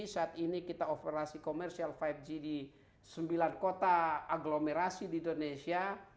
saat ini kita operasi komersial lima g di sembilan kota agglomerasi di indonesia